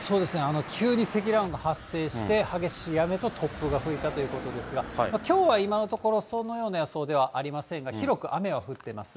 急に積乱雲が発生して、激しい雨と突風が吹いたということですが、きょうは今のところ、そのような予想ではありませんが、広く雨が降ってます。